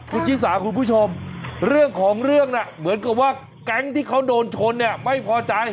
คุณชิสาคุณผู้ชมเรื่องของเรื่องน่ะเหมือนกับว่าแก๊งที่เขาโดนชนเนี่ยไม่พอใจ